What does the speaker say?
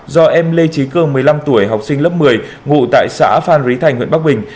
do em lê trí cương một mươi năm tuổi học sinh lớp một mươi ngụ tại xã phan rí thành huyện bắc bình